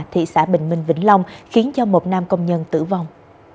thị xã bình minh vĩnh long khiến cho một nam công nhân tử vong